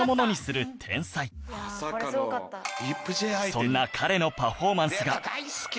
そんな彼のパフォーマンスが